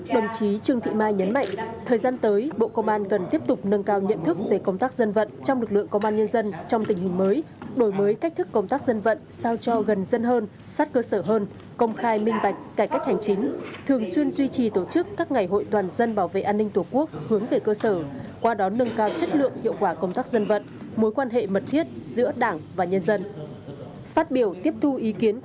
đồng chí trương thị mai nhấn mạnh thời gian tới bộ công an cần tiếp tục nâng cao nhận thức về công tác dân vận trong lực lượng công an nhân dân trong tình hình mới đổi mới cách thức công tác dân vận sao cho gần dân hơn sát cơ sở hơn công khai minh bạch cải cách hành chính thường xuyên duy trì tổ chức các ngày hội đoàn dân bảo vệ an ninh thủ quốc hướng về cơ sở qua đó nâng cao chất lượng hiệu quả công tác dân vận mối quan hệ mật thiết giữa đảng và nhân dân